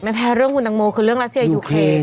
ไม่แพ้เรื่องพูดต่างโมคือเรื่องราเซียยูเคลน